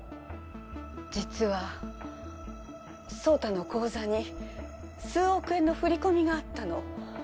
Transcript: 実は宗太の口座に数億円の振り込みがあったの。